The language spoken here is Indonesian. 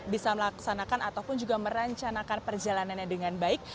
bisa melaksanakan ataupun juga merencanakan perjalanannya dengan baik